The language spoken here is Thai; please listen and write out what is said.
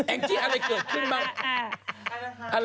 แองทิอะไรเกิดขึ้นบ้าง